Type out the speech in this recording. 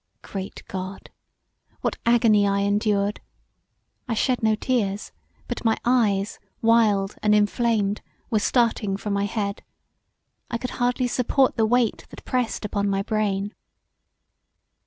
Great God! What agony I endured. I shed no tears but my eyes wild and inflamed were starting from my head; I could hardly support the weight that pressed upon my brain.